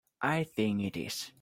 I think it is.